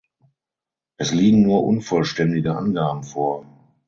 Es liegen nur unvollständige Angaben vor.